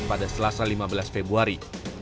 pada selasa lima belas februari